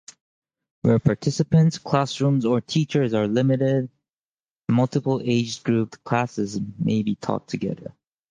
Where participants, classrooms or teachers are limited, multiple age-grouped classes may be taught together.